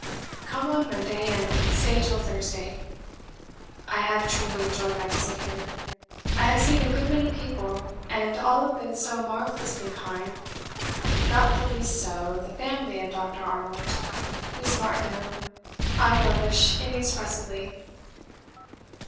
V.) come on Monday and stay till Thursday. ... I have truly enjoyed my visit here. I have seen a good many people, and all have been so marvellously kind; not the least so, the family of Dr. Arnold. Miss Martineau I relish inexpressibly."